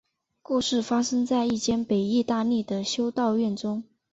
故事发生在一间北意大利的修道院中。